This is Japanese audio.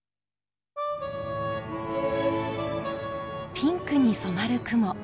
ピンクに染まる雲。